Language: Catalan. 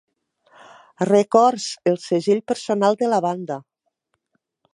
Records, el segell personal de la banda.